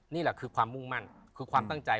นี่แหละคือความมุ่งมั่นคือความตั้งใจ